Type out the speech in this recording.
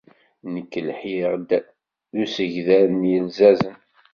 Nekk lhiɣ-d s ussedger n yilzazen.